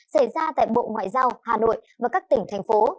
xảy ra tại bộ ngoại giao hà nội và các tỉnh thành phố